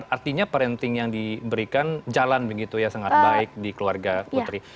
artinya parenting yang diberikan jalan begitu ya sangat baik di keluarga putri